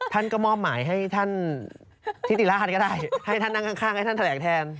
ท่านก็มอบหมายให้ท่านทิติราชก็ได้ให้ท่านนั่งข้างให้ท่านแถลงแทน